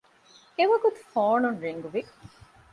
އެވަގުތު ފޯން ރިންގްވި